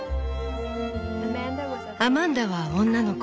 「アマンダは女の子。